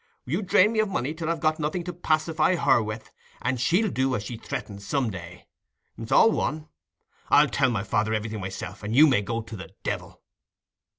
You drain me of money till I have got nothing to pacify her with, and she'll do as she threatens some day. It's all one. I'll tell my father everything myself, and you may go to the devil."